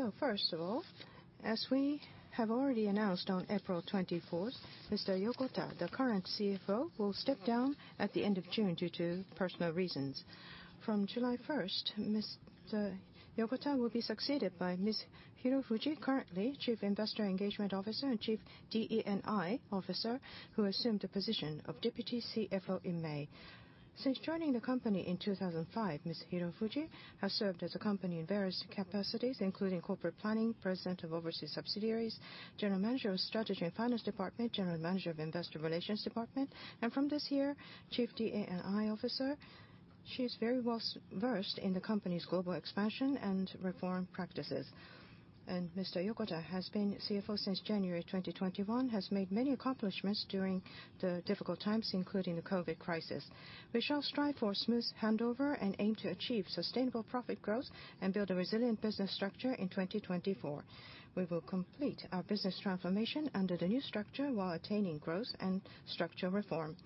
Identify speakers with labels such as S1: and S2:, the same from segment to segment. S1: So first of all, as we have already announced on April 24, Mr. Yokota, the current CFO, will step down at the end of June due to personal reasons. From July 1, Mr. Yokota will be succeeded by Ms. Hirofuji, currently Chief Investor Engagement Officer and Chief DE&I Officer, who assumed the position of Deputy CFO in May. Since joining the company in 2005, Ms. Hirofuji has served the company in various capacities, including Corporate Planning, President of Overseas Subsidiaries, General Manager of Strategy and Finance Department, General Manager of Investor Relations Department, and from this year, Chief DE&I Officer. She's very well-versed in the company's global expansion and reform practices. Mr. Yokota has been CFO since January 2021, has made many accomplishments during the difficult times, including the COVID crisis. We shall strive for a smooth handover and aim to achieve sustainable profit growth and build a resilient business structure in 2024. We will complete our business transformation under the new structure while attaining growth and structure reform.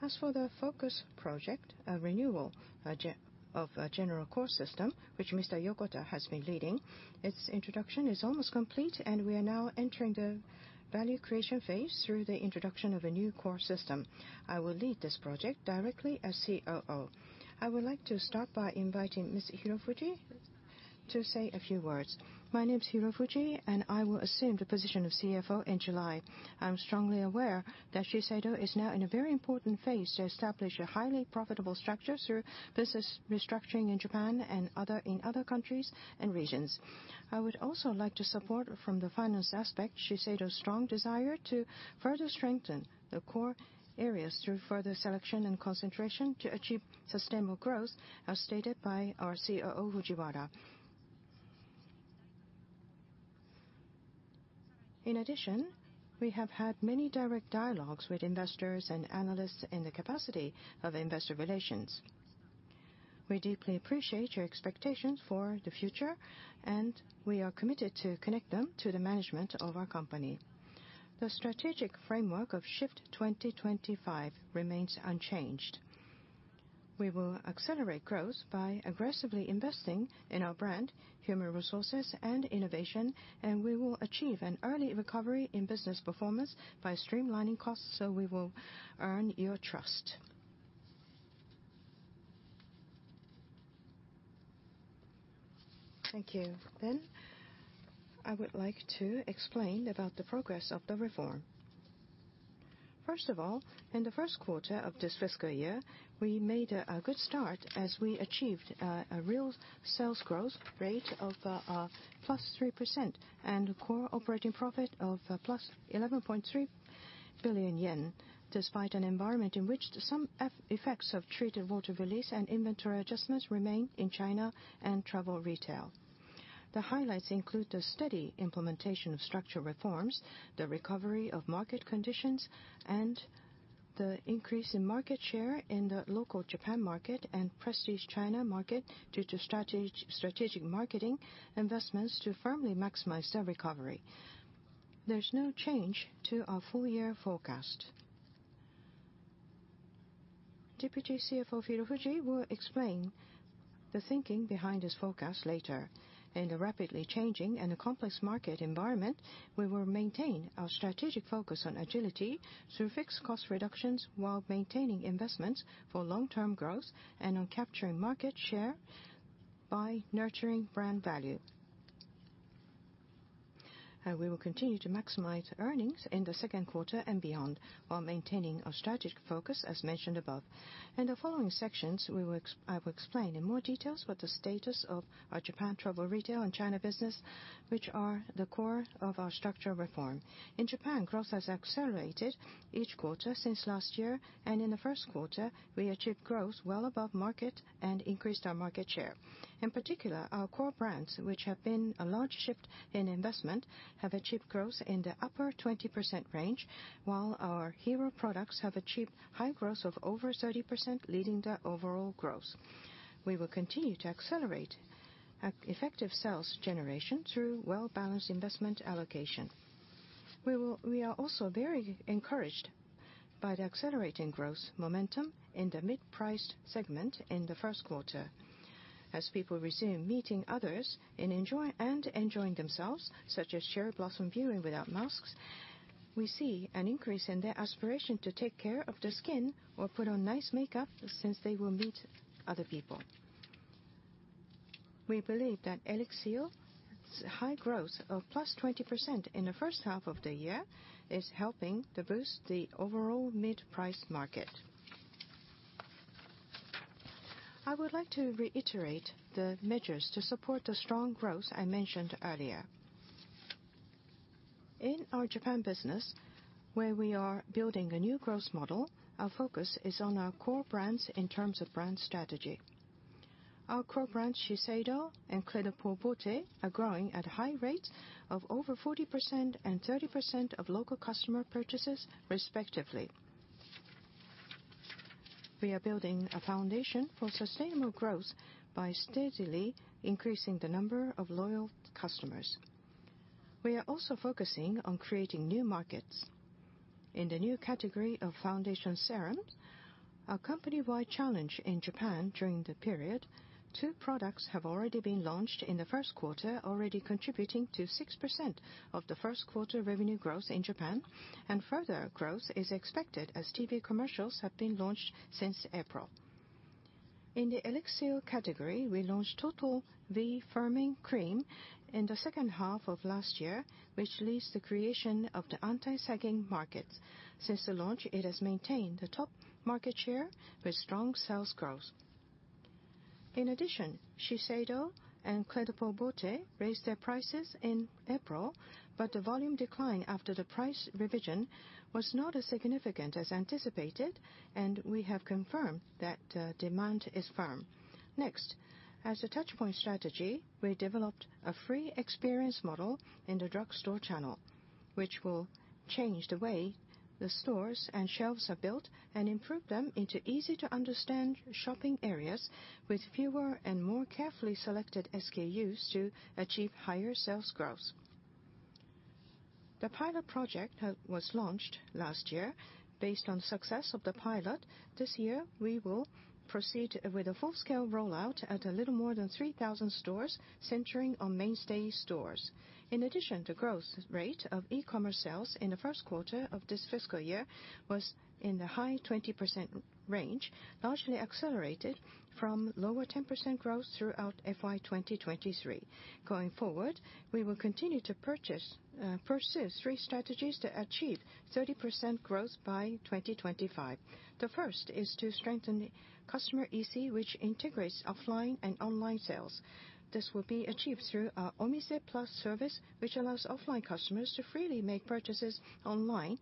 S1: As for the focus project, a renewal of a general core system, which Mr. Yokota has been leading, its introduction is almost complete, and we are now entering the value creation phase through the introduction of a new core system. I will lead this project directly as COO. I would like to start by inviting Ms. Hirofuji to say a few words. My name's Hirofuji, and I will assume the position of CFO in July. I'm strongly aware that Shiseido is now in a very important phase to establish a highly profitable structure through business restructuring in Japan and in other countries and regions. I would also like to support, from the finance aspect, Shiseido's strong desire to further strengthen the core areas through further selection and concentration to achieve sustainable growth, as stated by our COO Fujiwara. In addition, we have had many direct dialogues with investors and analysts in the capacity of Investor Relations. We deeply appreciate your expectations for the future, and we are committed to connect them to the management of our company. The strategic framework of SHIFT 2025 remains unchanged. We will accelerate growth by aggressively investing in our brand, human resources, and innovation, and we will achieve an early recovery in business performance by streamlining costs so we will earn your trust. Thank you. I would like to explain about the progress of the reform. First of all, in the first quarter of this fiscal year, we made a good start as we achieved a real sales growth rate of +3% and a core operating profit of +11.3 billion yen, despite an environment in which some effects of treated water release and inventory adjustments remain in China and travel retail. The highlights include the steady implementation of structural reforms, the recovery of market conditions, and the increase in market share in the local Japan market and prestige China market due to strategic marketing investments to firmly maximize the recovery. There's no change to our full-year forecast. Deputy CFO Hirofuji will explain the thinking behind this forecast later. In the rapidly changing and complex market environment, we will maintain our strategic focus on agility through fixed cost reductions while maintaining investments for long-term growth and on capturing market share by nurturing brand value. We will continue to maximize earnings in the second quarter and beyond while maintaining our strategic focus, as mentioned above. In the following sections, I will explain in more details what the status of our Japan Travel Retail and China business, which are the core of our structural reform. In Japan, growth has accelerated each quarter since last year, and in the first quarter, we achieved growth well above market and increased our market share. In particular, our core brands, which have been a large shift in investment, have achieved growth in the upper 20% range, while our hero products have achieved high growth of over 30%, leading the overall growth. We will continue to accelerate effective sales generation through well-balanced investment allocation. We are also very encouraged by the accelerating growth momentum in the mid-priced segment in the first quarter. As people resume meeting others and enjoying themselves, such as cherry blossom viewing without masks, we see an increase in their aspiration to take care of their skin or put on nice makeup since they will meet other people. We believe that ELIXIR's high growth of +20% in the first half of the year is helping to boost the overall mid-priced market. I would like to reiterate the measures to support the strong growth I mentioned earlier. In our Japan business, where we are building a new growth model, our focus is on our core brands in terms of brand strategy. Our core brands, Shiseido and Clé de Peau Beauté, are growing at a high rate of over 40% and 30% of local customer purchases, respectively. We are building a foundation for sustainable growth by steadily increasing the number of loyal customers. We are also focusing on creating new markets. In the new category of foundation serums, a company-wide challenge in Japan during the period, two products have already been launched in the first quarter, already contributing to 6% of the first quarter revenue growth in Japan, and further growth is expected as TV commercials have been launched since April. In the ELIXIR category, we launched Total V Firming Cream in the second half of last year, which leads to the creation of the anti-sagging market. Since the launch, it has maintained the top market share with strong sales growth. In addition, Shiseido and Clé de Peau Beauté raised their prices in April, but the volume decline after the price revision was not as significant as anticipated, and we have confirmed that demand is firm. Next, as a touchpoint strategy, we developed a free experience model in the drugstore channel, which will change the way the stores and shelves are built and improve them into easy-to-understand shopping areas with fewer and more carefully selected SKUs to achieve higher sales growth. The pilot project was launched last year. Based on the success of the pilot, this year we will proceed with a full-scale rollout at a little more than 3,000 stores, centering on mainstay stores. In addition, the growth rate of e-commerce sales in the first quarter of this fiscal year was in the high 20% range, largely accelerated from lower 10% growth throughout FY 2023. Going forward, we will continue to purchase three strategies to achieve 30% growth by 2025. The first is to strengthen customer EC, which integrates offline and online sales. This will be achieved through our Omise+ service, which allows offline customers to freely make purchases online,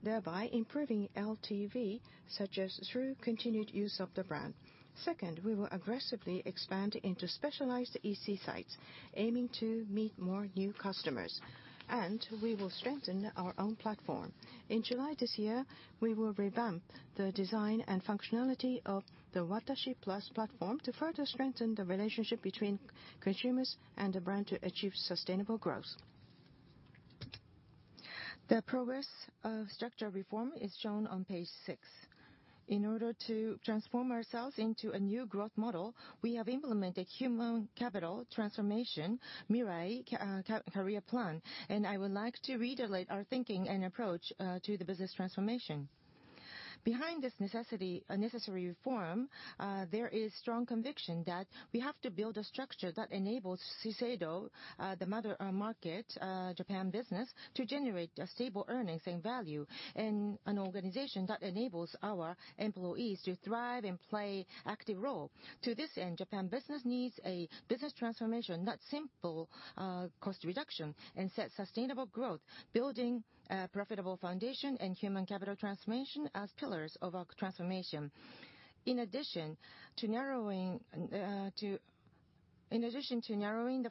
S1: thereby improving LTV, such as through continued use of the brand. Second, we will aggressively expand into specialized EC sites, aiming to meet more new customers. We will strengthen our own platform. In July this year, we will revamp the design and functionality of the Watashi+ platform to further strengthen the relationship between consumers and the brand to achieve sustainable growth. The progress of structure reform is shown on page six. In order to transform ourselves into a new growth model, we have implemented Human Capital Transformation MIRAI Career Plan, and I would like to relay our thinking and approach to the business transformation. Behind this necessary reform, there is strong conviction that we have to build a structure that enables Shiseido, the mother market, Japan business, to generate stable earnings and value in an organization that enables our employees to thrive and play an active role. To this end, Japan business needs a business transformation, not simple cost reduction, and set sustainable growth, building a profitable foundation, and Human Capital Transformation as pillars of our transformation. In addition to narrowing the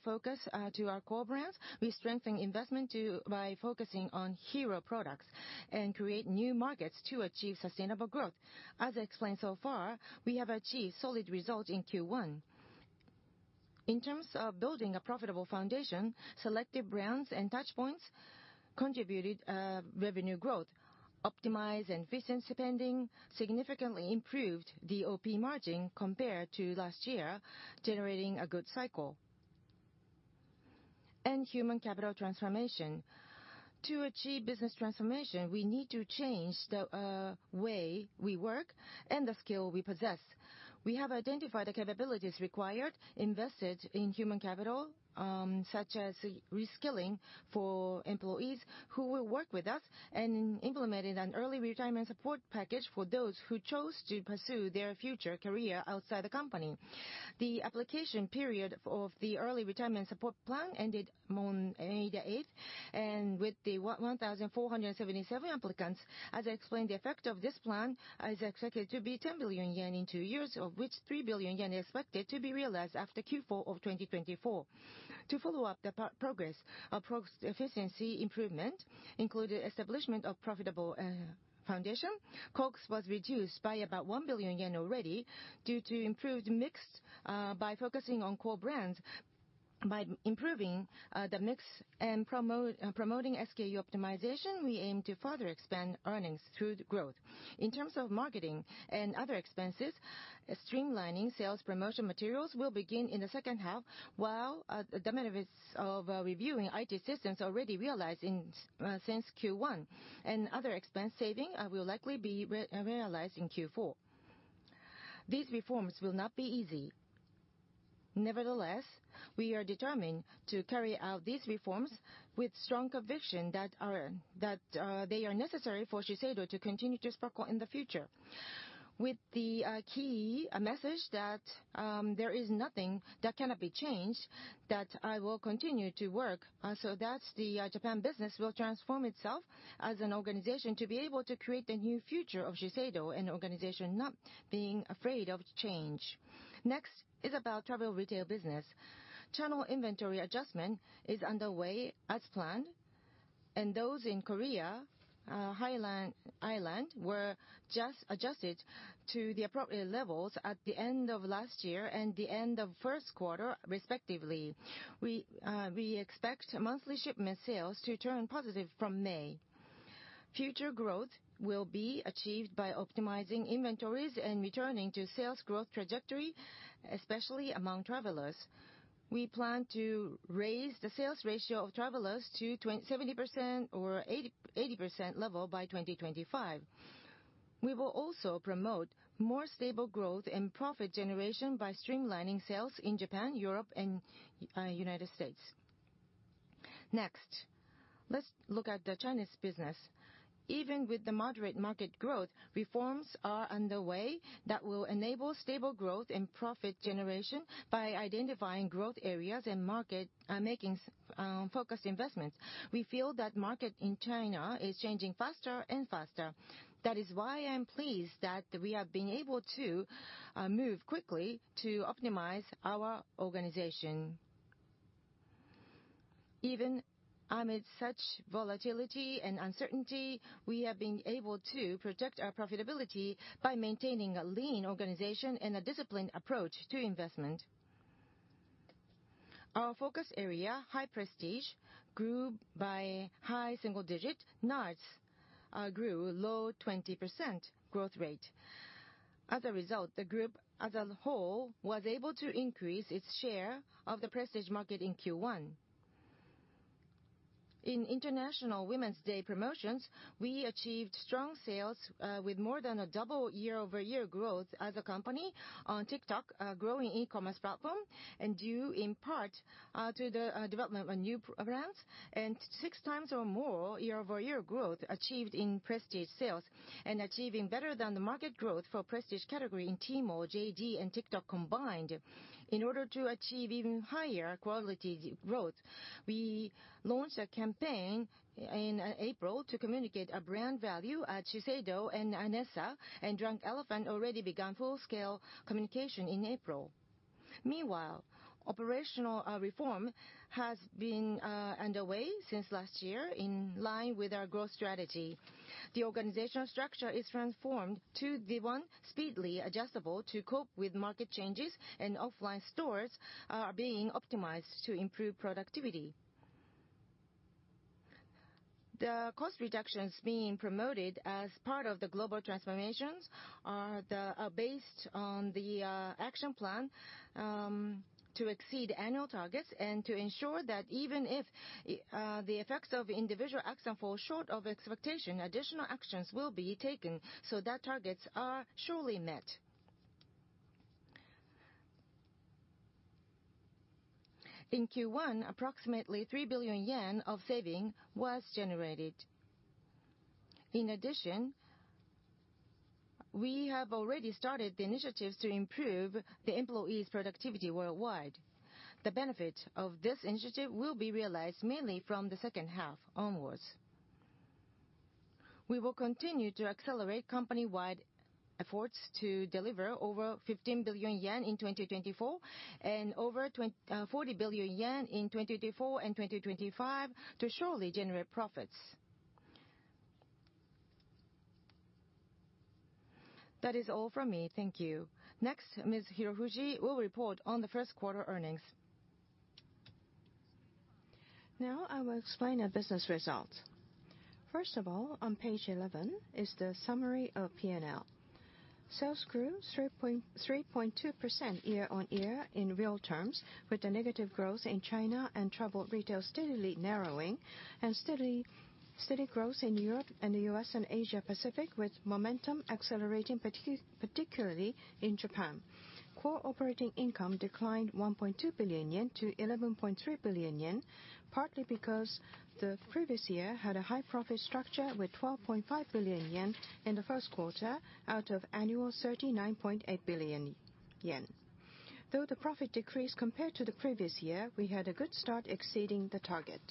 S1: focus to our core brands, we strengthen investment by focusing on Hero products and create new markets to achieve sustainable growth. As I explained so far, we have achieved solid results in Q1. In terms of building a profitable foundation, selected brands and touchpoints contributed revenue growth, optimized efficiency spending, significantly improved the OP margin compared to last year, generating a good cycle. And Human Capital Transformation. To achieve business transformation, we need to change the way we work and the skill we possess. We have identified the capabilities required, invested in human capital, such as reskilling for employees who will work with us, and implemented an early retirement support package for those who chose to pursue their future career outside the company. The application period of the early retirement support plan ended on May 8th, and with the 1,477 applicants, as I explained, the effect of this plan is expected to be 10 billion yen in two years, of which 3 billion yen is expected to be realized after Q4 of 2024. To follow up the progress of cost efficiency improvement, including establishment of profitable foundation, COGS was reduced by about 1 billion yen already due to improved mix. By focusing on core brands, by improving the mix and promoting SKU optimization, we aim to further expand earnings through growth. In terms of marketing and other expenses, streamlining sales promotion materials will begin in the second half, while the benefits of reviewing IT systems are already realized since Q1, and other expense savings will likely be realized in Q4. These reforms will not be easy. Nevertheless, we are determined to carry out these reforms with strong conviction that they are necessary for Shiseido to continue to sparkle in the future, with the key message that there is nothing that cannot be changed, that I will continue to work so that the Japan business will transform itself as an organization to be able to create the new future of Shiseido and an organization not being afraid of change. Next is about Travel Retail business. Channel inventory adjustment is underway as planned, and those in Korea and Ireland were just adjusted to the appropriate levels at the end of last year and the end of first quarter, respectively. We expect monthly shipment sales to turn positive from May. Future growth will be achieved by optimizing inventories and returning to sales growth trajectory, especially among travelers. We plan to raise the sales ratio of travelers to 70% or 80% level by 2025. We will also promote more stable growth and profit generation by streamlining sales in Japan, Europe, and United States. Next, let's look at the Chinese business. Even with the moderate market growth, reforms are underway that will enable stable growth and profit generation by identifying growth areas and making focused investments. We feel that market in China is changing faster and faster. That is why I am pleased that we have been able to move quickly to optimize our organization. Even amid such volatility and uncertainty, we have been able to protect our profitability by maintaining a lean organization and a disciplined approach to investment. Our focus area, high prestige, grew by high single digit NARS, grew low 20% growth rate. As a result, the group as a whole was able to increase its share of the prestige market in Q1. In International Women's Day promotions, we achieved strong sales with more than double year-over-year growth as a company on TikTok, a growing e-commerce platform, and due in part to the development of new brands and 6x or more year-over-year growth achieved in prestige sales, and achieving better than the market growth for prestige category in Temu, JD, and TikTok combined. In order to achieve even higher quality growth, we launched a campaign in April to communicate brand value at Shiseido and ANESSA, and Drunk Elephant already began full-scale communication in April. Meanwhile, operational reform has been underway since last year in line with our growth strategy. The organizational structure is transformed to be speedily adjustable to cope with market changes, and offline stores are being optimized to improve productivity. The cost reductions being promoted as part of the global transformations are based on the action plan to exceed annual targets and to ensure that even if the effects of individual actions fall short of expectation, additional actions will be taken so that targets are surely met. In Q1, approximately 3 billion yen of savings was generated. In addition, we have already started the initiatives to improve the employees' productivity worldwide. The benefit of this initiative will be realized mainly from the second half onwards. We will continue to accelerate company-wide efforts to deliver over 15 billion yen in 2024 and over 40 billion yen in 2024 and 2025 to surely generate profits. That is all from me. Thank you. Next, Ms. Hirofuji will report on the first quarter earnings. Now I will explain our business results. First of all, on page 11 is the summary of P&L. Sales grew 3.2% year-on-year in real terms, with the negative growth in China and travel retail steadily narrowing, and steady growth in Europe and the U.S. and Asia-Pacific, with momentum accelerating, particularly in Japan. Core operating income declined 1.2 billion yen to 11.3 billion yen, partly because the previous year had a high-profit structure with 12.5 billion yen in the first quarter out of annual 39.8 billion yen. Though the profit decreased compared to the previous year, we had a good start exceeding the target.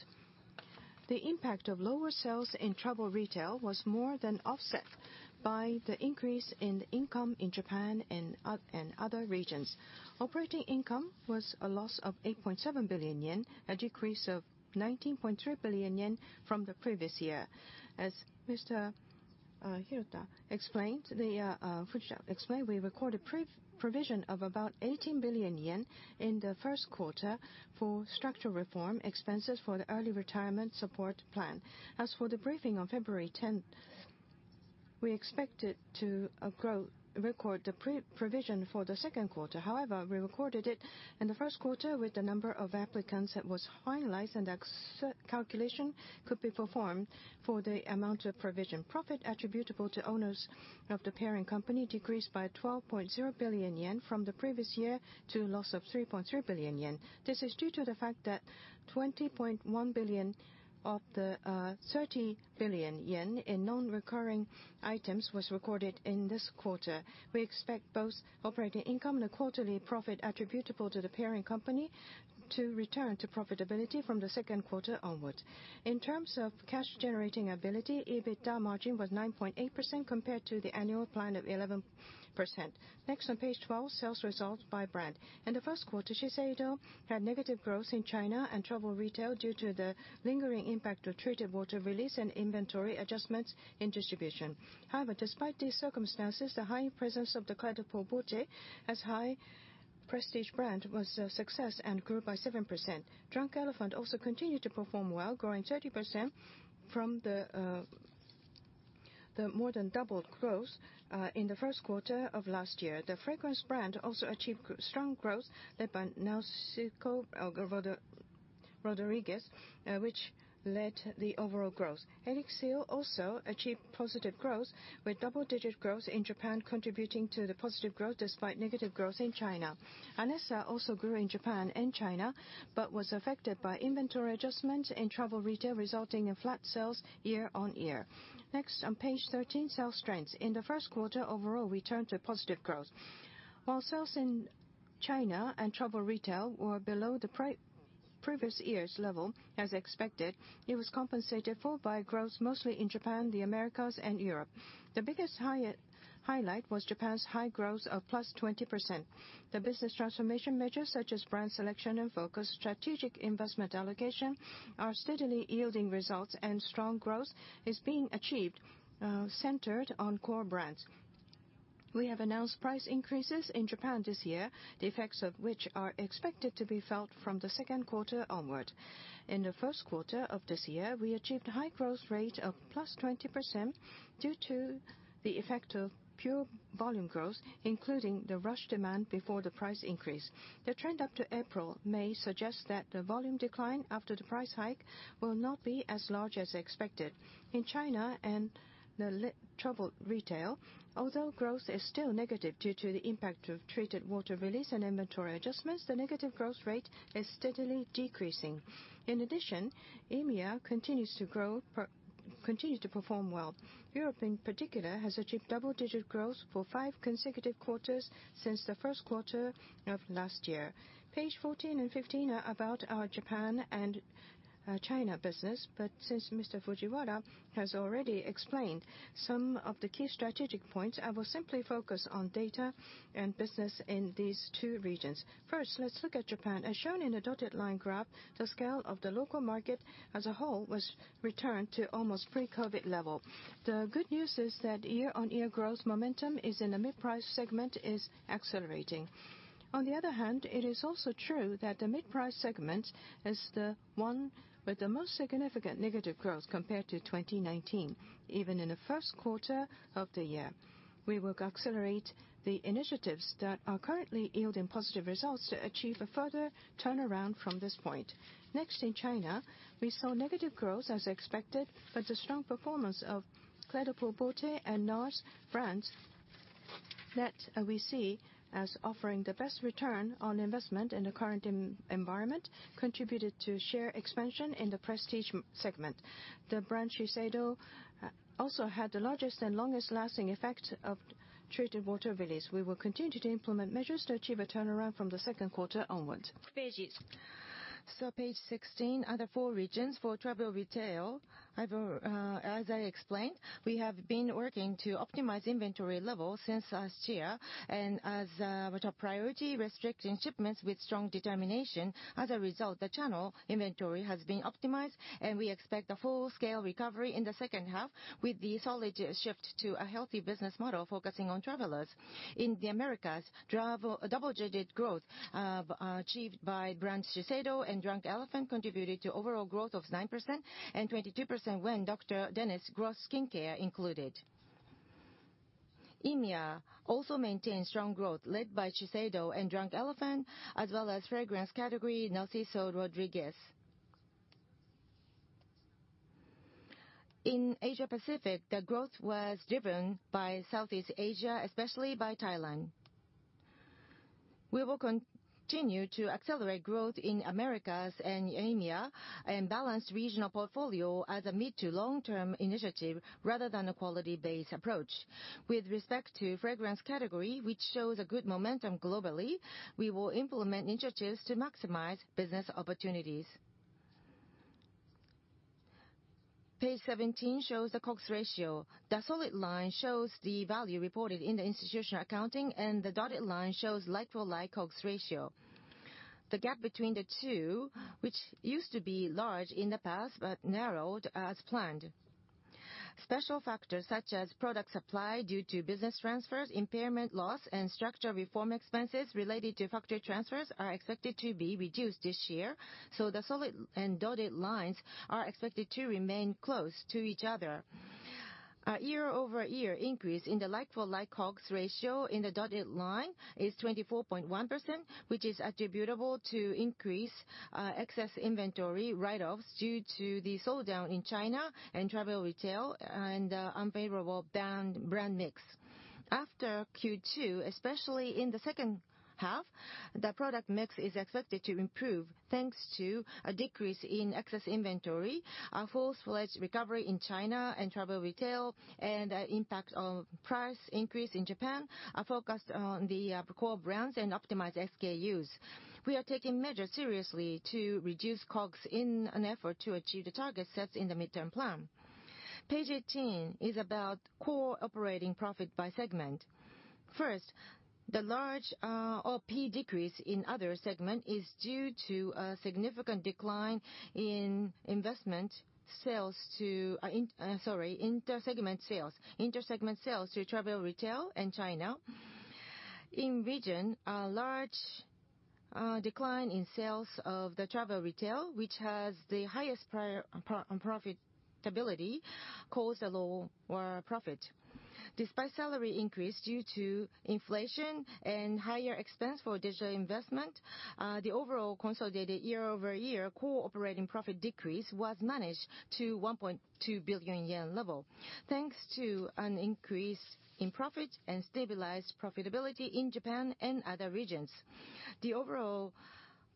S1: The impact of lower sales in travel retail was more than offset by the increase in income in Japan and other regions. Operating income was a loss of 8.7 billion yen, a decrease of 19.3 billion yen from the previous year. As Mr. Hirota explained, we recorded provision of about 18 billion yen in the first quarter for structure reform expenses for the early retirement support plan. As for the briefing on February 10th, we expected to record the provision for the second quarter. However, we recorded it in the first quarter with the number of applicants that was highlighted, and that calculation could be performed for the amount of provision. Profit attributable to owners of the parent company decreased by 12.0 billion yen from the previous year to a loss of 3.3 billion yen. This is due to the fact that 20.1 billion of the 30 billion yen in non-recurring items was recorded in this quarter. We expect both operating income and the quarterly profit attributable to the parent company to return to profitability from the second quarter onwards. In terms of cash-generating ability, EBITDA margin was 9.8% compared to the annual plan of 11%. Next, on page 12, sales results by brand. In the first quarter, Shiseido had negative growth in China and travel retail due to the lingering impact of treated water release and inventory adjustments in distribution. However, despite these circumstances, the high presence of the Clé de Peau Beauté as a high-prestige brand was a success and grew by 7%. Drunk Elephant also continued to perform well, growing 30% from the more than doubled growth in the first quarter of last year. The fragrance brand also achieved strong growth led by Narciso Rodriguez, which led the overall growth. Elixir also achieved positive growth, with double-digit growth in Japan contributing to the positive growth despite negative growth in China. ANESSA also grew in Japan and China but was affected by inventory adjustments in travel retail, resulting in flat sales year-on-year. Next, on page 13, sales strength. In the first quarter, overall, we turned to positive growth. While sales in China and travel retail were below the previous year's level, as expected, it was compensated for by growth mostly in Japan, the Americas, and Europe. The biggest highlight was Japan's high growth of +20%. The business transformation measures such as brand selection and focus, strategic investment allocation, are steadily yielding results, and strong growth is being achieved centered on core brands. We have announced price increases in Japan this year, the effects of which are expected to be felt from the second quarter onwards. In the first quarter of this year, we achieved a high growth rate of +20% due to the effect of pure volume growth, including the rush demand before the price increase. The trend up to April may suggest that the volume decline after the price hike will not be as large as expected. In China and travel retail, although growth is still negative due to the impact of treated water release and inventory adjustments, the negative growth rate is steadily decreasing. In addition, EMEA continues to grow, continues to perform well. Europe, in particular, has achieved double-digit growth for five consecutive quarters since the first quarter of last year. Page 14 and 15 are about our Japan and China business, but since Mr. Fujiwara has already explained some of the key strategic points, I will simply focus on data and business in these two regions. First, let's look at Japan. As shown in the dotted line graph, the scale of the local market as a whole was returned to almost pre-COVID level. The good news is that year-on-year growth momentum in the mid-price segment is accelerating. On the other hand, it is also true that the mid-price segment is the one with the most significant negative growth compared to 2019, even in the first quarter of the year. We will accelerate the initiatives that are currently yielding positive results to achieve a further turnaround from this point. Next, in China, we saw negative growth as expected, but the strong performance of Clé de Peau Beauté and NARS brands that we see as offering the best return on investment in the current environment contributed to share expansion in the prestige segment. The brand Shiseido also had the largest and longest lasting effect of treated water release. We will continue to implement measures to achieve a turnaround from the second quarter onwards. So, page 16, other four regions for travel retail. As I explained, we have been working to optimize inventory level since last year, and as our priority restricting shipments with strong determination. As a result, the channel inventory has been optimized, and we expect a full-scale recovery in the second half with the solid shift to a healthy business model focusing on travelers. In the Americas, double-digit growth achieved by brands Shiseido and Drunk Elephant contributed to overall growth of 9% and 22% when Dr. Dennis Gross Skincare included. EMEA also maintained strong growth led by Shiseido and Drunk Elephant, as well as fragrance category Narciso Rodriguez. In Asia-Pacific, the growth was driven by Southeast Asia, especially by Thailand. We will continue to accelerate growth in Americas and EMEA and balance regional portfolio as a mid-to-long-term initiative rather than a quality-based approach. With respect to fragrance category, which shows a good momentum globally, we will implement initiatives to maximize business opportunities. Page 17 shows the COGS ratio. The solid line shows the value reported in the institutional accounting, and the dotted line shows like-for-like COGS ratio. The gap between the two, which used to be large in the past but narrowed as planned. Special factors such as product supply due to business transfers, impairment loss, and structure reform expenses related to factory transfers are expected to be reduced this year, so the solid and dotted lines are expected to remain close to each other. A year-over-year increase in the like-for-like COGS ratio in the dotted line is 24.1%, which is attributable to increased excess inventory write-offs due to the slowdown in China and Travel Retail and unfavorable brand mix. After Q2, especially in the second half, the product mix is expected to improve thanks to a decrease in excess inventory. A full-fledged recovery in China and Travel Retail and an impact on price increase in Japan are focused on the core brands and optimized SKUs. We are taking measures seriously to reduce COGS in an effort to achieve the targets set in the mid-term plan. Page 18 is about core operating profit by segment. First, the large OP decrease in other segments is due to a significant decline in intersegment sales to Travel Retail and China. In region, a large decline in sales of the Travel Retail, which has the highest profitability, caused a lower profit. Despite salary increase due to inflation and higher expense for digital investment, the overall consolidated year-over-year core operating profit decrease was managed to 1.2 billion yen level thanks to an increase in profit and stabilized profitability in Japan and other regions. The overall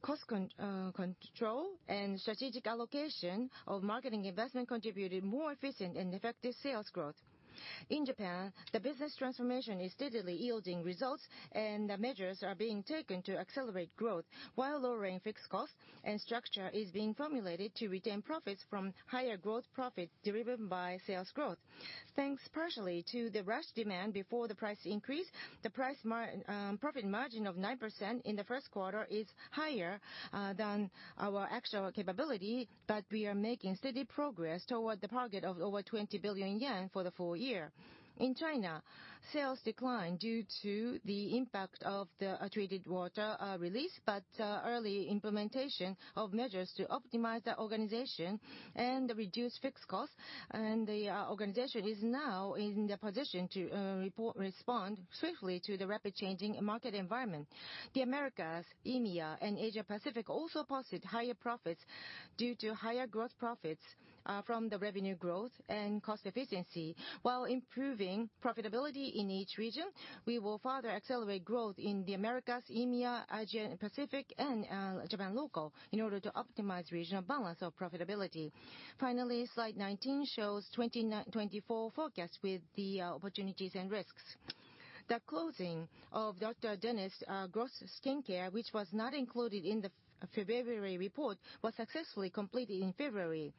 S1: cost control and strategic allocation of marketing investment contributed to more efficient and effective sales growth. In Japan, the business transformation is steadily yielding results, and the measures are being taken to accelerate growth while lowering fixed costs, and structure is being formulated to retain profits from higher growth profit derived by sales growth. Thanks partially to the rush demand before the price increase, the profit margin of 9% in the first quarter is higher than our actual capability, but we are making steady progress toward the target of over 20 billion yen for the full year. In China, sales declined due to the impact of the treated water release, but early implementation of measures to optimize the organization and reduce fixed costs, and the organization is now in the position to respond swiftly to the rapid-changing market environment. The Americas, EMEA, and Asia-Pacific also posted higher profits due to higher growth profits from the revenue growth and cost efficiency. While improving profitability in each region, we will further accelerate growth in the Americas, EMEA, Asia-Pacific, and Japan local in order to optimize regional balance of profitability. Finally, slide 19 shows 2024 forecast with the opportunities and risks. The closing of Dr. Dennis Gross Skincare, which was not included in the February report, was successfully completed in February.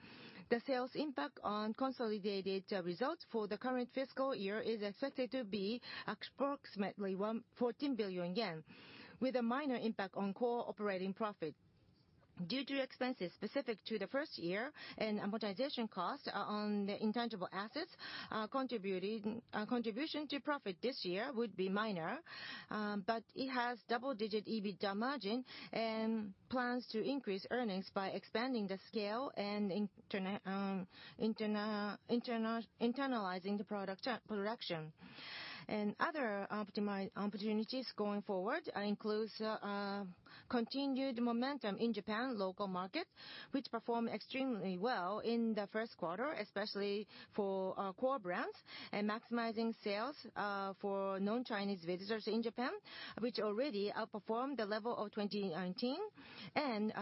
S1: The sales impact on consolidated results for the current fiscal year is expected to be approximately 14 billion yen, with a minor impact on core operating profit. Due to expenses specific to the first year and amortization costs on the intangible assets, contribution to profit this year would be minor, but it has double-digit EBITDA margin and plans to increase earnings by expanding the scale and internalizing the production. Other opportunities going forward include continued momentum in Japan local market, which performed extremely well in the first quarter, especially for core brands, and maximizing sales for non-Chinese visitors in Japan, which already outperformed the level of 2019, and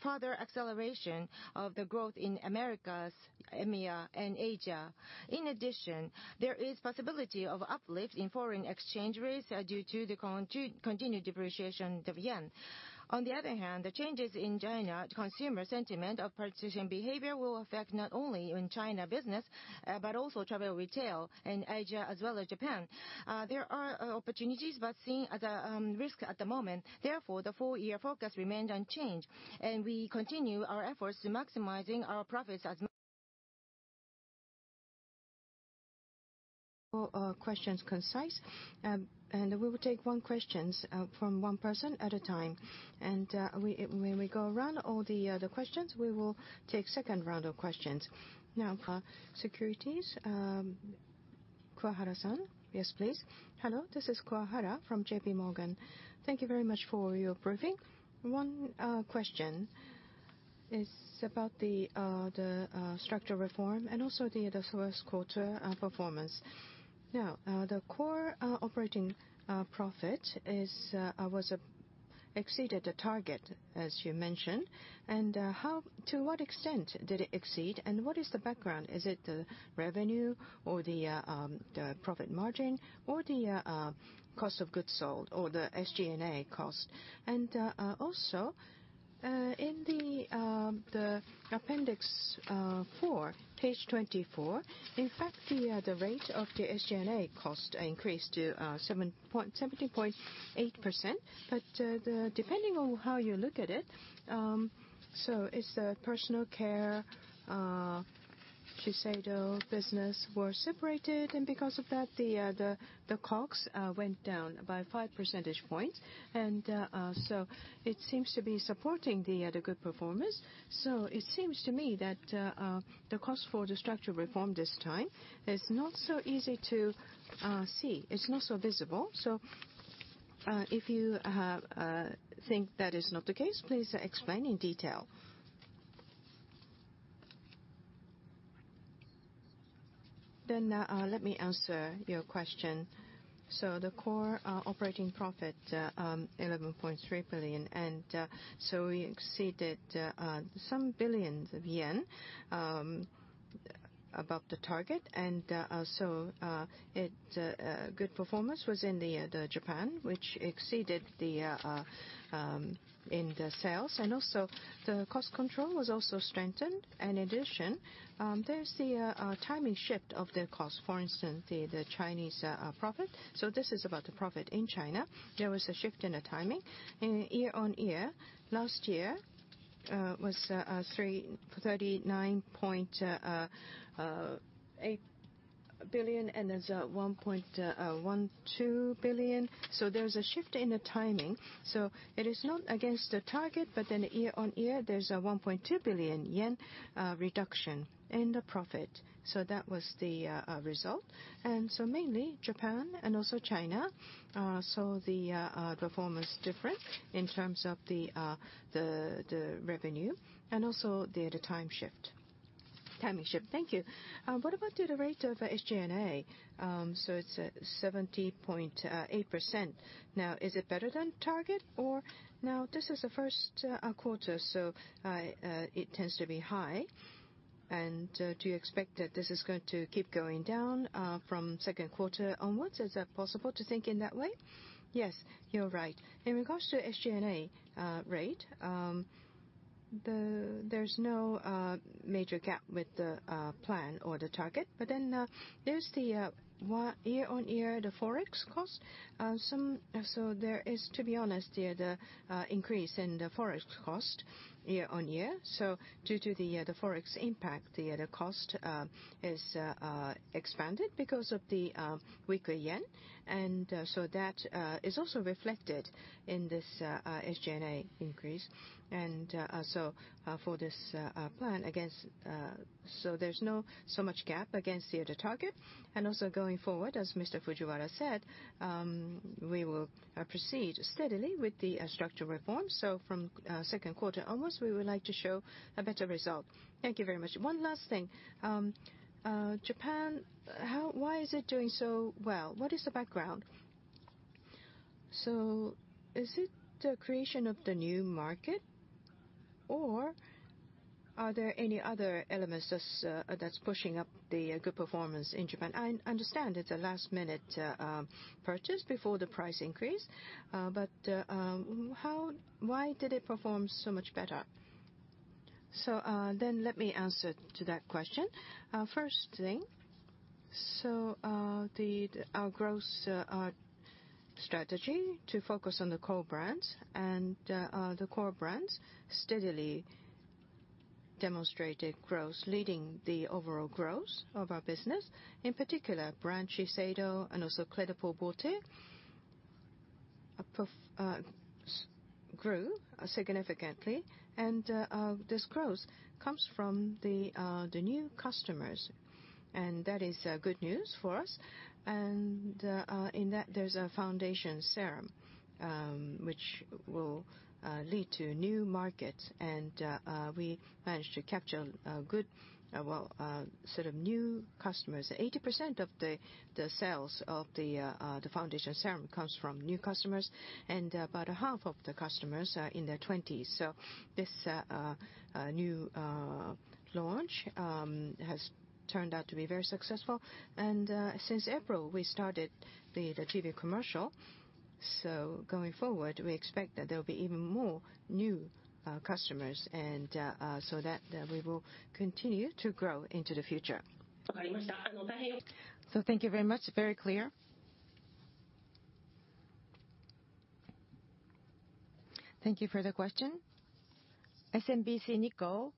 S1: further acceleration of the growth in Americas, EMEA, and Asia. In addition, there is possibility of uplift in foreign exchange rates due to the continued depreciation of the yen. On the other hand, the changes in China consumer sentiment of purchasing behavior will affect not only China business but also travel retail in Asia as well as Japan. There are opportunities but seen as a risk at the moment. Therefore, the full-year focus remained unchanged, and we continue our efforts to maximize our profits as. Questions concise, and we will take one question from one person at a time. When we go around all the questions, we will take a second round of questions. Now. Securities. Kawahara-san, yes, please. Hello, this is Kawahara from J.P. Morgan. Thank you very much for your briefing. One question is about the structure reform and also the first quarter performance. Now, the core operating profit exceeded the target, as you mentioned. And to what extent did it exceed, and what is the background? Is it the revenue or the profit margin or the cost of goods sold or the SG&A cost? And also, in the appendix four, page 24, in fact, the rate of the SG&A cost increased to 17.8%. But depending on how you look at it, so is the personal care Shiseido business were separated, and because of that, the COGS went down by five percentage points. And so it seems to be supporting the good performance. So it seems to me that the cost for the structure reform this time is not so easy to see. It's not so visible. So if you think that is not the case, please explain in detail. Then let me answer your question. So the core operating profit, 11.3 billion, and so we exceeded some billions of yen above the target. And so good performance was in Japan, which exceeded in the sales. And also, the cost control was also strengthened. In addition, there's the timing shift of the cost. For instance, the Chinese profit. So this is about the profit in China. There was a shift in the timing. Year-on-year, last year was 39.8 billion, and there's 1.12 billion. So there's a shift in the timing. So it is not against the target, but then year-on-year, there's a 1.2 billion yen reduction in the profit. So that was the result. And so mainly Japan and also China. So the performance difference in terms of the revenue and also the timing shift. Thank you. What about the rate of SG&A? So it's 70.8%. Now, is it better than target? Now, this is the first quarter, so it tends to be high. And do you expect that this is going to keep going down from second quarter onwards? Is that possible to think in that way? Yes, you're right. In regards to SG&A rate, there's no major gap with the plan or the target. But then there's the year-on-year forex cost. So there is, to be honest, the increase in the forex cost year-on-year. So due to the forex impact, the cost is expanded because of the weaker yen. And so that is also reflected in this SG&A increase. And so for this plan, again, so there's not so much gap against the target. And also going forward, as Mr. Fujiwara said, we will proceed steadily with the structure reform. So from second quarter onwards, we would like to show a better result. Thank you very much. One last thing. Japan, why is it doing so well? What is the background? So is it the creation of the new market, or are there any other elements that's pushing up the good performance in Japan? I understand it's a last-minute purchase before the price increase, but why did it perform so much better? So then let me answer to that question. First thing, so our growth strategy to focus on the core brands. And the core brands steadily demonstrated growth, leading the overall growth of our business. In particular, brand Shiseido and also Clé de Peau Beauté grew significantly. This growth comes from the new customers. That is good news for us. In that, there's a foundation serum, which will lead to new markets. We managed to capture good, well, sort of new customers. 80% of the sales of the foundation serum comes from new customers, and about half of the customers are in their 20s. This new launch has turned out to be very successful. Since April, we started the TV commercial. Going forward, we expect that there will be even more new customers, and so that we will continue to grow into the future. So thank you very much. Very clear. Thank you for the question. SMBC Nikko.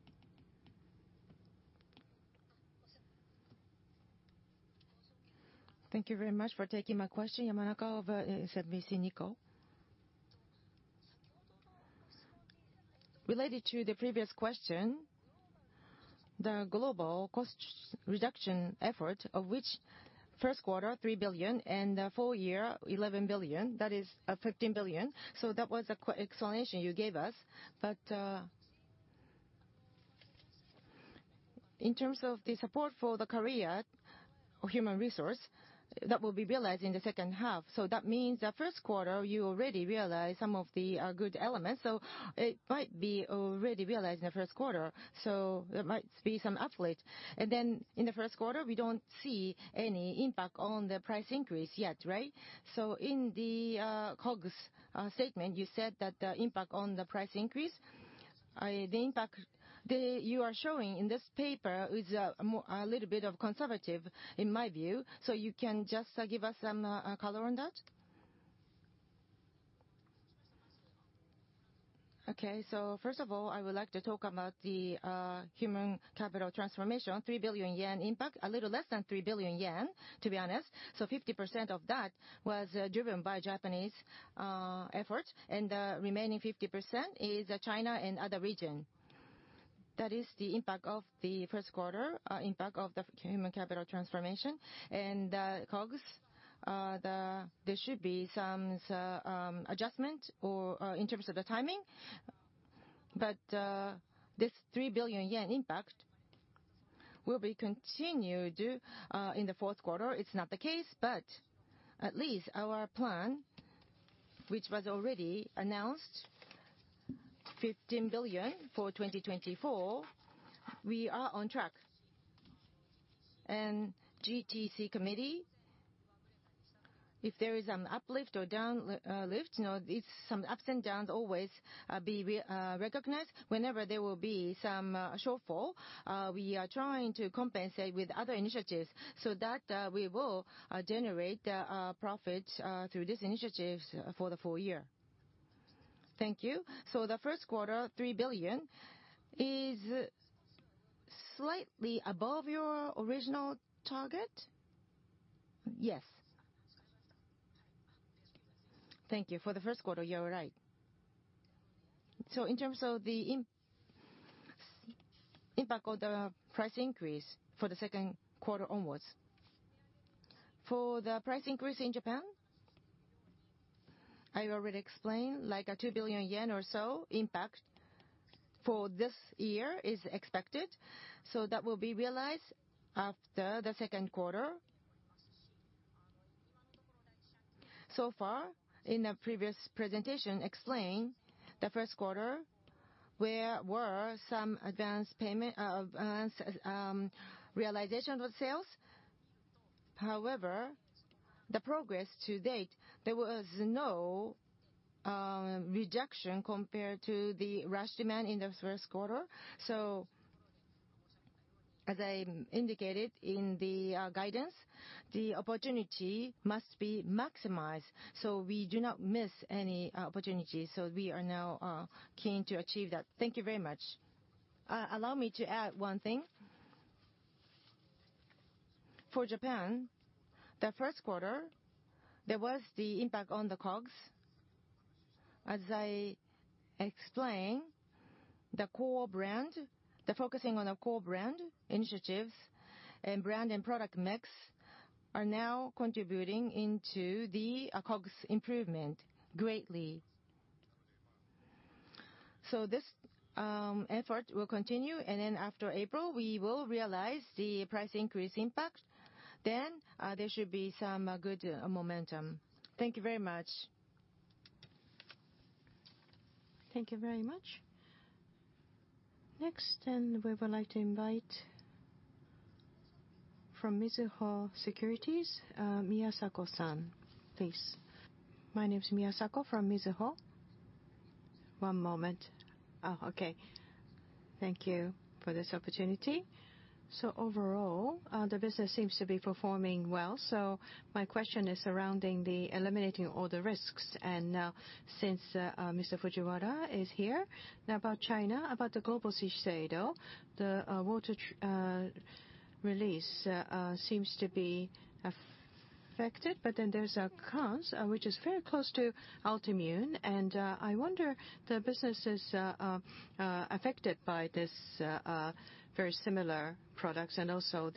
S1: Thank you very much for taking my question, Yamanaka of SMBC Nikko. Related to the previous question, the global cost reduction effort of which first quarter 3 billion, and the full year 11 billion. That is 15 billion. So that was the explanation you gave us. But in terms of the support for the career or human resource, that will be realized in the second half. So that means the first quarter, you already realized some of the good elements. So it might be already realized in the first quarter. So there might be some uplift. And then in the first quarter, we don't see any impact on the price increase yet, right? So in the COGS statement, you said that the impact on the price increase, the impact you are showing in this paper is a little bit conservative, in my view. So you can just give us some color on that? Okay. So first of all, I would like to talk about the human capital transformation, 3 billion yen impact, a little less than 3 billion yen, to be honest. So 50% of that was driven by Japanese efforts. And the remaining 50% is China and other region. That is the impact of the first quarter, impact of the human capital transformation. And the COGS, there should be some adjustment in terms of the timing. But this 3 billion yen impact will be continued in the fourth quarter. It's not the case. But at least our plan, which was already announced, 15 billion for 2024, we are on track. And GTC Committee, if there is some uplift or downlift, some ups and downs always be recognized. Whenever there will be some shortfall, we are trying to compensate with other initiatives so that we will generate profit through these initiatives for the full year. Thank you. So the first quarter, 3 billion, is slightly above your original target? Yes. Thank you. For the first quarter, you're right. So in terms of the impact of the price increase for the second quarter onwards, for the price increase in Japan, I already explained, like a 2 billion yen or so impact for this year is expected. So that will be realized after the second quarter. So far, in the previous presentation, explained the first quarter, there were some advanced realization of sales. However, the progress to date, there was no reduction compared to the rush demand in the first quarter. So as I indicated in the guidance, the opportunity must be maximized so we do not miss any opportunity. So we are now keen to achieve that. Thank you very much. Allow me to add one thing. For Japan, the first quarter, there was the impact on the COGS. As I explained, the core brand, the focusing on the core brand initiatives and brand and product mix are now contributing into the COGS improvement greatly. So this effort will continue. And then after April, we will realize the price increase impact. Then there should be some good momentum. Thank you very much. Thank you very much. Next, then we would like to invite from Mizuho Securities, Miyasako-san, please. My name is Miyasako from Mizuho. Thank you for this opportunity. So overall, the business seems to be performing well. So my question is surrounding the eliminating all the risks. And since Mr. Fujiwara is here, now about China, about the global Shiseido, the water release seems to be affected. But then there's a COSRX, which is very close to Ultimune. And I wonder if the business is affected by these very similar products. And also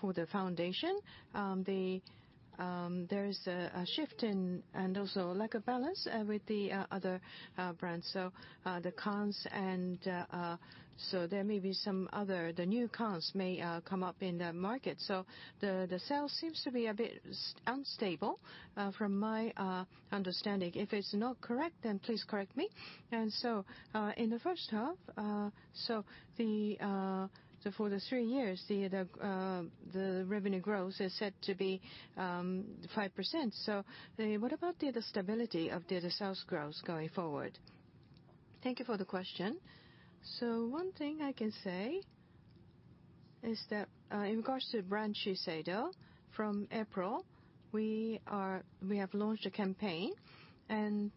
S1: for the foundation, there's a shift and also lack of balance with the other brands. So the COSRX, and so there may be some other the new COSRX may come up in the market. So the sales seems to be a bit unstable from my understanding. If it's not correct, then please correct me. In the first half, so for the three years, the revenue growth is set to be 5%. So what about the stability of the sales growth going forward? Thank you for the question. So one thing I can say is that in regards to brand Shiseido, from April, we have launched a campaign. And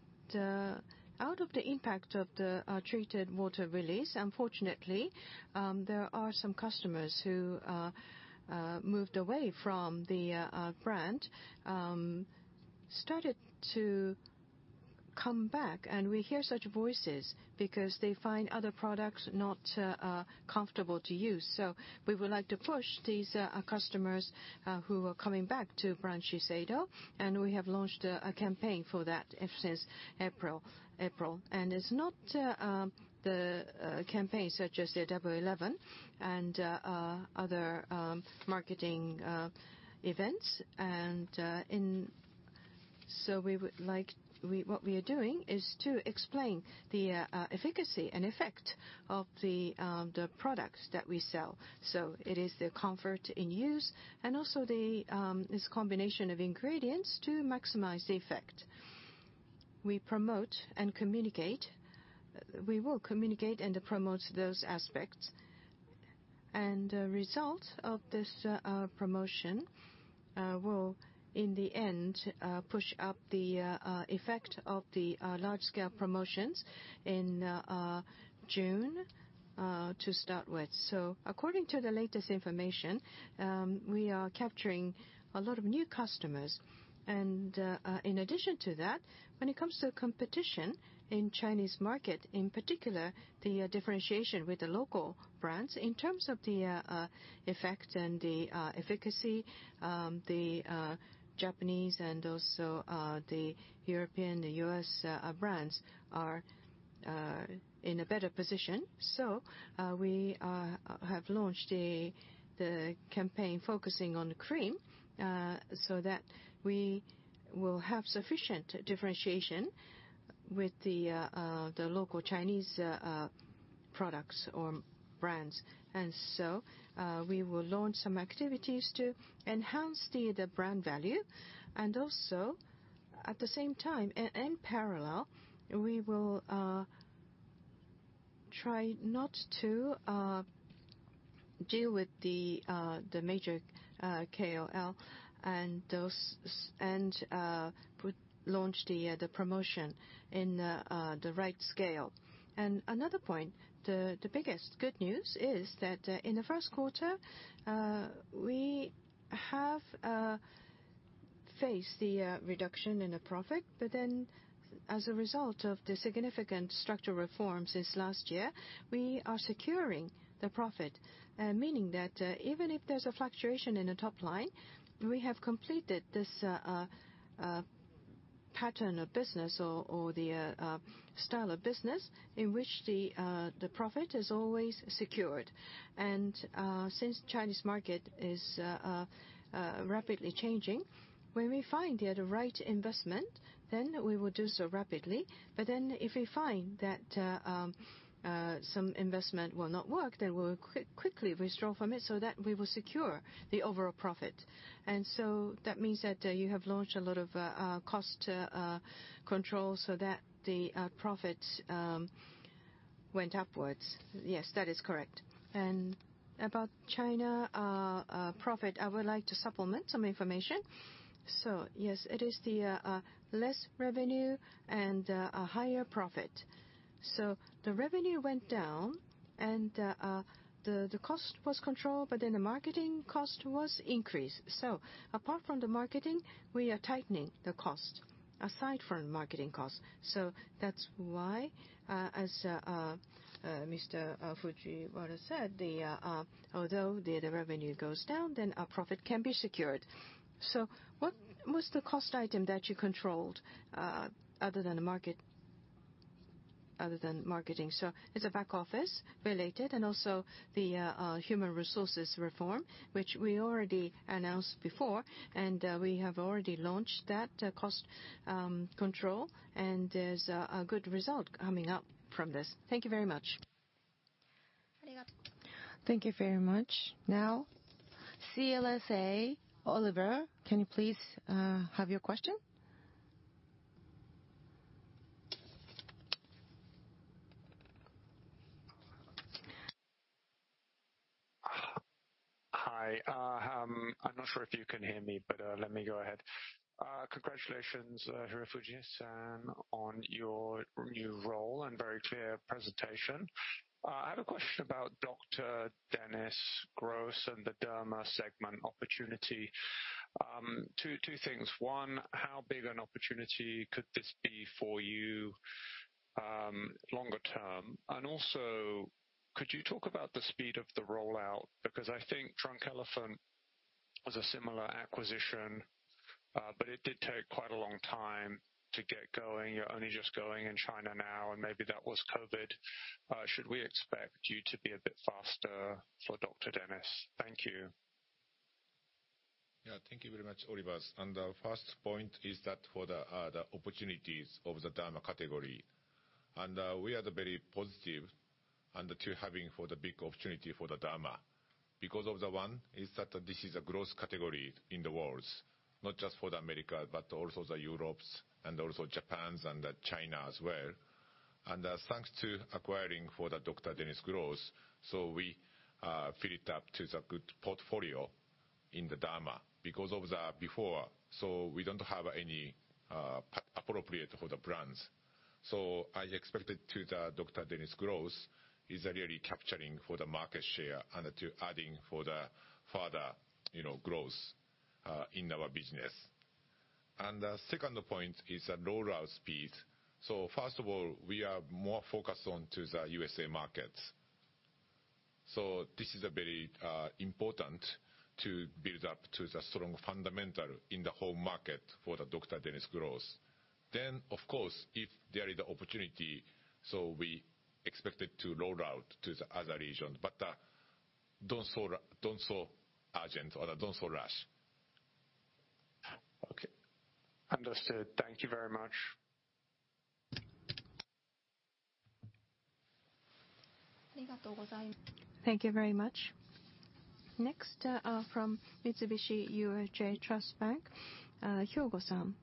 S1: out of the impact of the treated water release, unfortunately, there are some customers who moved away from the brand, started to come back. And we hear such voices because they find other products not comfortable to use. So we would like to push these customers who are coming back to brand Shiseido. And we have launched a campaign for that since April. And it's not the campaign such as the W11 and other marketing events. What we are doing is to explain the efficacy and effect of the products that we sell. So it is the comfort in use and also this combination of ingredients to maximize the effect. We promote and communicate. We will communicate and promote those aspects. And the result of this promotion will, in the end, push up the effect of the large-scale promotions in June to start with. So according to the latest information, we are capturing a lot of new customers. And in addition to that, when it comes to competition in Chinese market, in particular, the differentiation with the local brands, in terms of the effect and the efficacy, the Japanese and also the European, the U.S. brands are in a better position. So we have launched the campaign focusing on cream so that we will have sufficient differentiation with the local Chinese products or brands. So we will launch some activities to enhance the brand value. Also at the same time, in parallel, we will try not to deal with the major KOL and launch the promotion in the right scale. Another point, the biggest good news is that in the first quarter, we have faced the reduction in the profit. But then as a result of the significant structural reforms since last year, we are securing the profit, meaning that even if there's a fluctuation in the top line, we have completed this pattern of business or the style of business in which the profit is always secured. Since Chinese market is rapidly changing, when we find the right investment, then we will do so rapidly. But then if we find that some investment will not work, then we will quickly withdraw from it so that we will secure the overall profit. And so that means that you have launched a lot of cost control so that the profits went upwards. Yes, that is correct. And about China profit, I would like to supplement some information. So yes, it is the less revenue and a higher profit. So the revenue went down, and the cost was controlled. But then the marketing cost was increased. So apart from the marketing, we are tightening the cost aside from marketing costs. So that's why, as Mr. Fujiwara said, although the revenue goes down, then a profit can be secured. So what was the cost item that you controlled other than marketing? So it's a back-office-related and also the human resources reform, which we already announced before. We have already launched that cost control. There's a good result coming up from this. Thank you very much. Thank you very much. Now, CLSA Oliver, can you please have your question?
S2: Hi. I'm not sure if you can hear me, but let me go ahead. Congratulations, Hirofuji, on your new role and very clear presentation. I have a question about Dr. Dennis Gross and the derma segment opportunity. Two things. One, how big an opportunity could this be for you longer term? And also, could you talk about the speed of the rollout? Because I think Drunk Elephant was a similar acquisition, but it did take quite a long time to get going. You're only just going in China now. And maybe that was COVID. Should we expect you to be a bit faster for Dr. Dennis? Thank you.
S3: Yeah. Thank you very much, Oliver. The first point is that for the opportunities of the Derma category, and we are very positive to having the big opportunity for the Derma because one is that this is a growth category in the world, not just for the Americas, but also Europe and also Japan and China as well. And thanks to acquiring Dr. Dennis Gross, so we fill it up to the good portfolio in the Derma because of the before. So we don't have any appropriate for the brands. So I expect the Dr. Dennis Gross is really capturing the market share and adding the further growth in our business. The second point is the rollout speed. So first of all, we are more focused on the U.S.A. markets. This is very important to build up to the strong fundamental in the whole market for the Dr. Dennis Gross. Then, of course, if there is the opportunity, so we expected to rollout to the other regions. But don't so urgent or don't so rush.
S2: Okay. Understood. Thank you very much.
S1: Thank you very much. Next, from Mitsubishi UFJ Trust Bank, Hirose-san.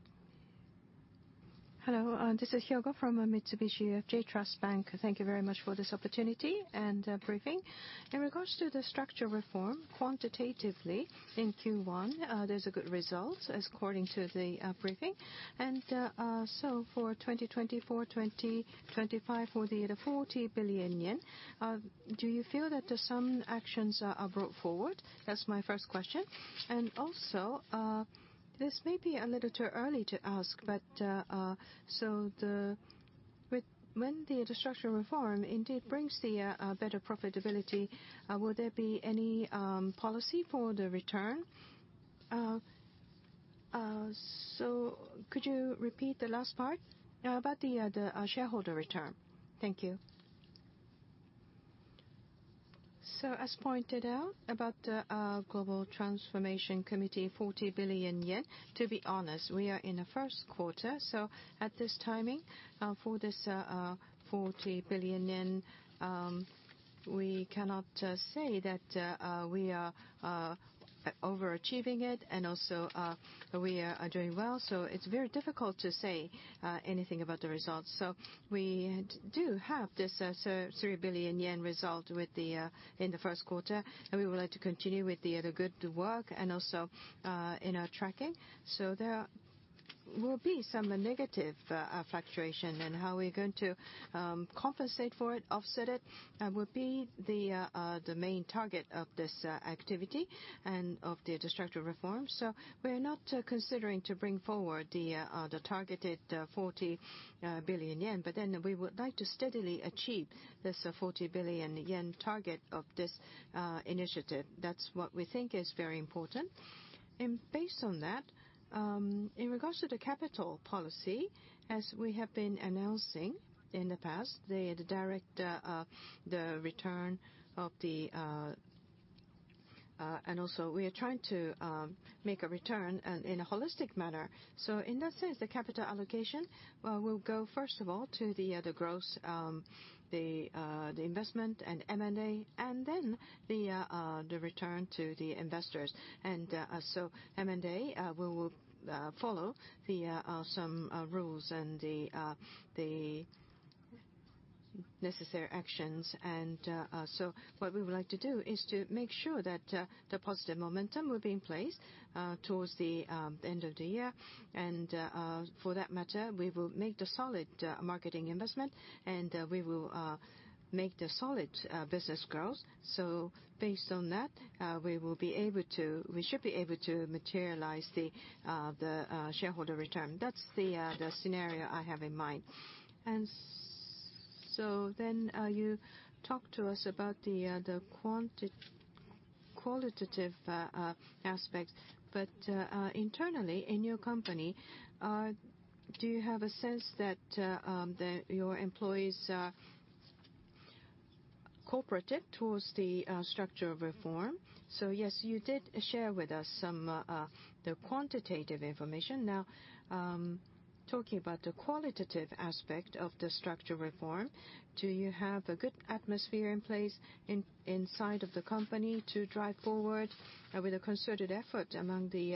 S1: Hello. This is Hirose from Mitsubishi UFJ Trust Bank. Thank you very much for this opportunity and briefing. In regards to the structure reform, quantitatively in Q1, there's a good result according to the briefing. And so for 2024, 2025, for the 40 billion yen, do you feel that some actions are brought forward? That's my first question. And also, this may be a little too early to ask, but so when the structure reform indeed brings the better profitability, will there be any policy for the return? So could you repeat the last part about the shareholder return? Thank you. So as pointed out about the Global Transformation Committee, 40 billion yen, to be honest, we are in the first quarter. So at this timing for this 40 billion yen, we cannot say that we are overachieving it. Also we are doing well. It's very difficult to say anything about the results. We do have this 3 billion yen result in the first quarter. We would like to continue with the good work and also in our tracking. There will be some negative fluctuation. How we're going to compensate for it, offset it, will be the main target of this activity and of the structure reform. We are not considering to bring forward the targeted 40 billion yen. Then we would like to steadily achieve this 40 billion yen target of this initiative. That's what we think is very important. Based on that, in regards to the capital policy, as we have been announcing in the past, the return of the and also we are trying to make a return in a holistic manner. So in that sense, the capital allocation will go, first of all, to the investment and M&A and then the return to the investors. And so M&A will follow some rules and the necessary actions. And so what we would like to do is to make sure that the positive momentum will be in place towards the end of the year. And for that matter, we will make the solid marketing investment. And we will make the solid business growth. So based on that, we will be able to we should be able to materialize the shareholder return. That's the scenario I have in mind. And so then you talked to us about the qualitative aspects. But internally in your company, do you have a sense that your employees are cooperative towards the structure reform? So yes, you did share with us some quantitative information. Now, talking about the qualitative aspect of the structure reform, do you have a good atmosphere in place inside of the company to drive forward with a concerted effort among the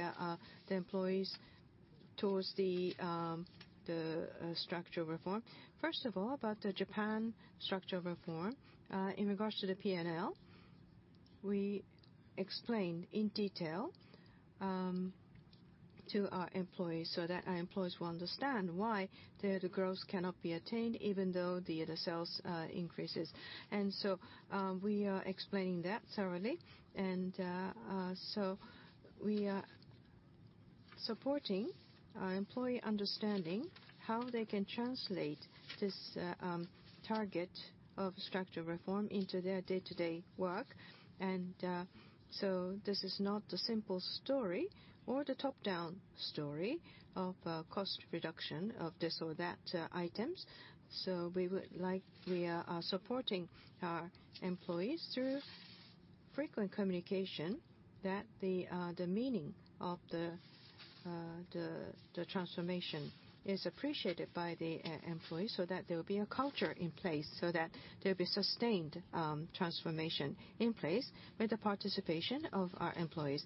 S1: employees towards the structure reform? First of all, about the Japan structure reform, in regards to the P&L, we explained in detail to our employees so that our employees will understand why the growth cannot be attained even though the sales increases. So we are explaining that thoroughly. So we are supporting employee understanding how they can translate this target of structure reform into their day-to-day work. So this is not the simple story or the top-down story of cost reduction of this or that items. We are supporting our employees through frequent communication that the meaning of the transformation is appreciated by the employees so that there will be a culture in place so that there will be sustained transformation in place with the participation of our employees.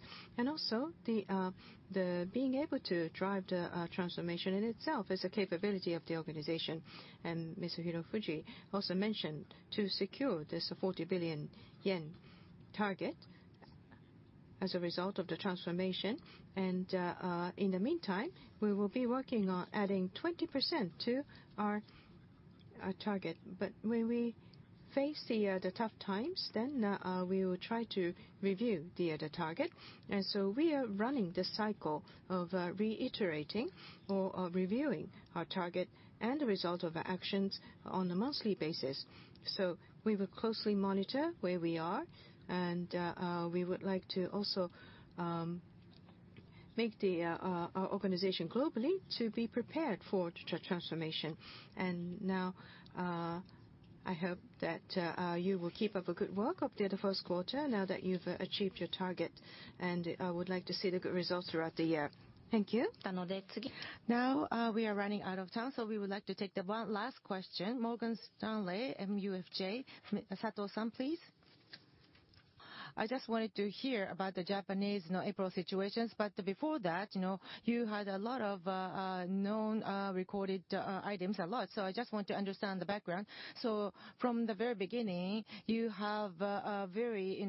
S1: Also being able to drive the transformation in itself is a capability of the organization. Mr. Hirofuji also mentioned to secure this 40 billion yen target as a result of the transformation. In the meantime, we will be working on adding 20% to our target. When we face the tough times, then we will try to review the target. We are running the cycle of reiterating or reviewing our target and the result of our actions on a monthly basis. We will closely monitor where we are. We would like to also make our organization globally to be prepared for the transformation. Now, I hope that you will keep up a good work of the first quarter now that you've achieved your target. I would like to see the good results throughout the year. Thank you. Now, we are running out of time. So we would like to take the last question. Morgan Stanley MUFG, Sato-san, please. I just wanted to hear about the Japanese April situations. But before that, you had a lot of non-recurring items, a lot. So I just want to understand the background. So from the very beginning, you have very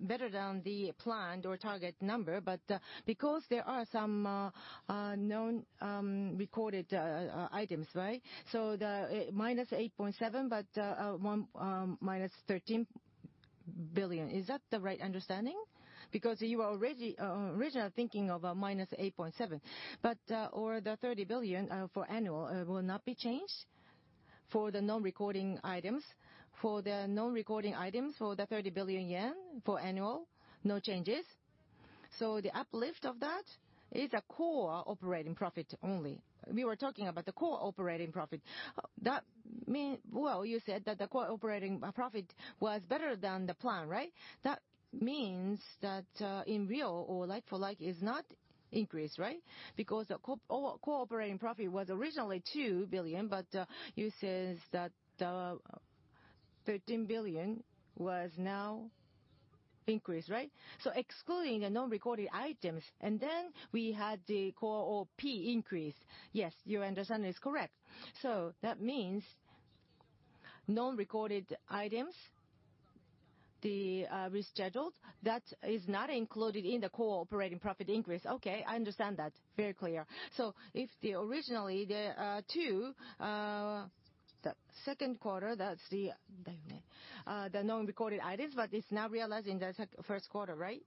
S1: better than the planned or target number. But because there are some non-recurring items, right, so -8.7 billion but -13 billion, is that the right understanding? Because you were originally thinking of -8.7 billion or the 30 billion for annual will not be changed for the non-recurring items. For the non-recurring items for the 30 billion yen for annual, no changes. So the uplift of that is a Core Operating Profit only. We were talking about the Core Operating Profit. Well, you said that the Core Operating Profit was better than the plan, right? That means that in real or like-for-like is not increased, right, because the Core Operating Profit was originally 2 billion. But you said that 13 billion was now increased, right? So excluding the non-recurring items, and then we had the core OP increase. Yes, your understanding is correct. So that means non-recurring items, the rescheduled, that is not included in the Core Operating Profit increase. Okay. I understand that. Very clear. So if originally the 2 the second quarter, that's the non-recurring items, but it's now realized in the first quarter, right,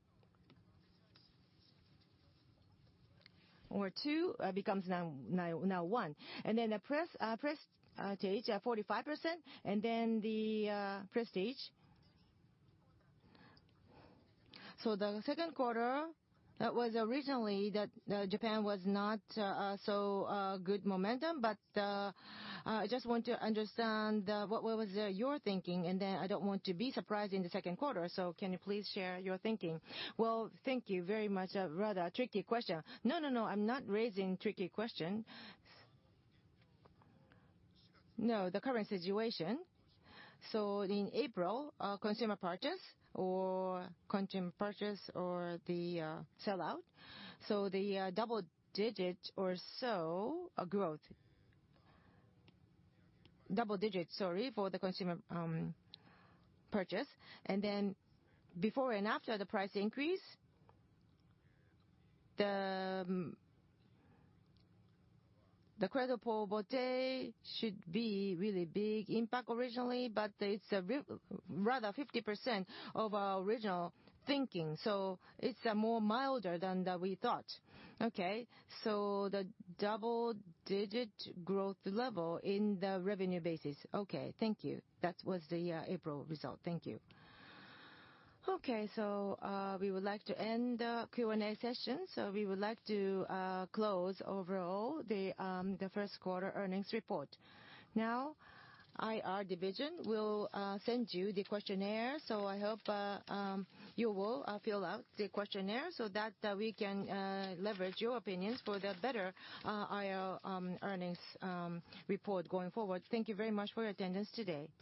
S1: or 2 becomes now 1. And then the Prestige 45% and then the Prestige. So the second quarter, that was originally that Japan was not so good momentum. But I just want to understand what was your thinking. And then I don't want to be surprised in the second quarter. So can you please share your thinking? Well, thank you very much. Rather tricky question. No, no, no. I'm not raising tricky question. No, the current situation. So in April, consumer purchase or the sellout, so the double-digit or so growth, double-digit, sorry, for the consumer purchase. And then before and after the price increase, the creditable day should be really big impact originally. But it's rather 50% of our original thinking. So it's more milder than we thought. Okay. So the double-digit growth level in the revenue basis. Okay. Thank you. That was the April result. Thank you. Okay. So we would like to end the Q&A session. So we would like to close overall the first quarter earnings report. Now, IR division will send you the questionnaire. I hope you will fill out the questionnaire so that we can leverage your opinions for the better IR earnings report going forward. Thank you very much for your attendance today.